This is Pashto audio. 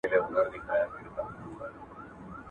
که سپین ږیری وي نو برکت نه ځي.